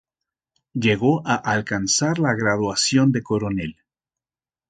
Llegó a alcanzar la graduación de coronel.